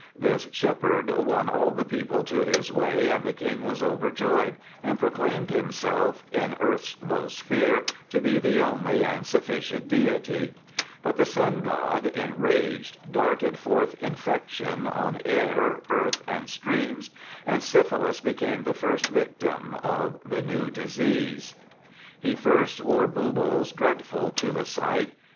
The shepherd won all the people to his way, and the king was overjoyed and proclaimed himself ' in Earth's low sphere to be the only and sufficient deity ' But the Sun God, enraged, darted forth infection on air, earth, and streams, and Syphilus became the first victim of the new disease. He first wore buboes dreadful to the sight.